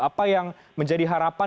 apa yang menjadi harapan